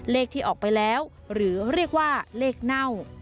เลขที่ออกไปแล้วหรือเรียกว่าเลขเน่า